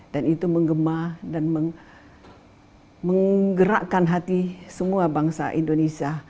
dan itu menggema dan menggerakkan hati semua bangsa indonesia